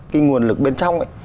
cái nguồn lực bên trong